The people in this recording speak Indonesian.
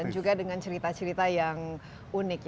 dan juga dengan cerita cerita yang unik